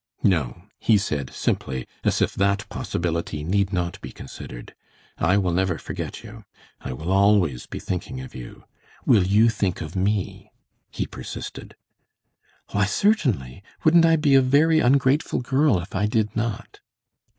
"No," he said, simply, as if that possibility need not be considered. "I will never forget you. I will always be thinking of you. Will you think of me?" he persisted. "Why, certainly. Wouldn't I be a very ungrateful girl if I did not?"